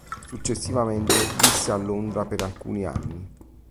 Successivamente visse a Londra per alcuni anni.